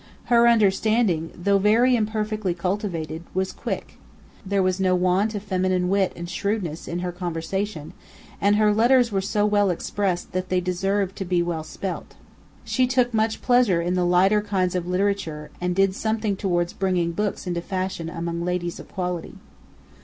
Her understanding, though very imperfectly cultivated, was quick. There was no want of feminine wit and shrewdness in her conversation; and her letters were so well expressed that they deserved to be well spelt. She took much pleasure in the lighter kinds of literature, and did something towards bringing books into fashion among ladies of quality.